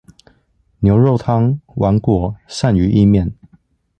牛肉湯、碗粿、鱔魚意麵